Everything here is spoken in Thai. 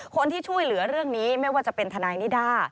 คนที่ช่วยเหลือเรื่องนี้ไม่ว่าจะเป็นทนายนิด้า